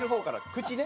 口ね。